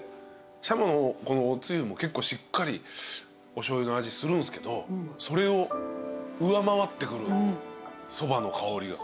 しゃものこのおつゆも結構しっかりおしょうゆの味するんすけどそれを上回ってくるそばの香りが。